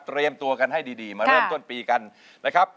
ตัวกันให้ดีมาเริ่มต้นปีกันนะครับ